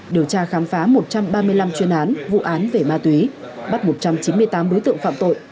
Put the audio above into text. điều tra khám phá một trăm ba mươi năm chuyên án vụ án về ma túy bắt một trăm chín mươi tám đối tượng phạm tội